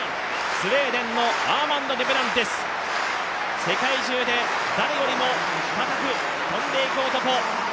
スウェーデンのアーマンド・デュプランティス、世界中で誰よりも高く跳んでいく男。